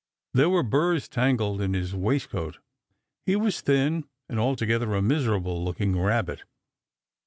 There were burrs tangled in his waistcoat. He was thin and altogether a miserable looking Rabbit.